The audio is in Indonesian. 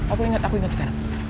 aku ingat aku ingat sekarang